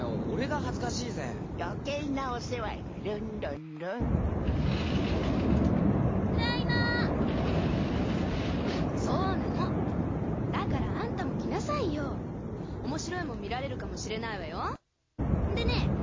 俺が恥ずかしいぜ余計なお世話じゃルンルンルンただいまそうなのだからあんたも来なさいよおもしろいもん見られるかもしれないわよでね